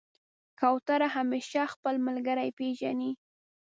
کوتره همیشه خپل ملګری پېژني.